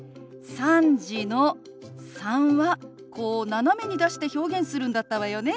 「３時」の「３」はこう斜めに出して表現するんだったわよね。